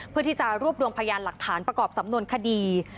เพื่อที่จะรวบรวมพยานหลักฐานประกอบสำนวนคดี